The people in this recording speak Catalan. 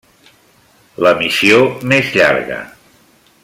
La missió més llarga.